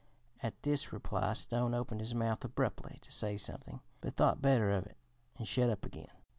At this reply Stone opened his mouth abruptly to say something, but thought better of it and shut up again.